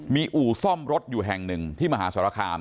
มีอู่ซ่อมรถอยู่แห่งหนึ่งที่มหาสรคาม